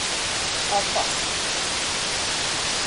A Pasik!